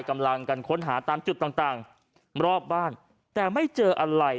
กำลังกันค้นหาตามจุดต่างต่างรอบบ้านแต่ไม่เจออะไร